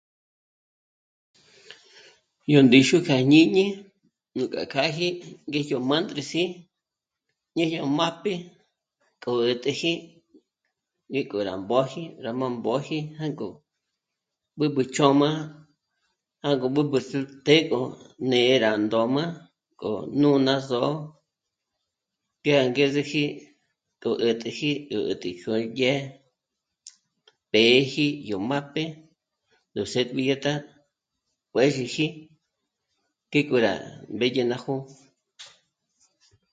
Yó ndíxu kjá jñǐñi nú ká kjáji ñèjyo mândresi ñèjyo májp'e k'ó 'ä̀täji ngéko rá mbö̂ji rá má mbö̂ji jángo b'ǚb'ü chjö̌m'a jângo b'ǚb'ü te... ně'e rá ndôma kó nú ná só'o ké angezeji k'ó 'ä̀täji yó 'ä̀ti kó yé pêji yó májp'e nú servilleta juë̌zhiji ngéko rá mbèdye ná jó'o